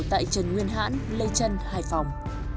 tại trần nguyên hãn lê trân hải phòng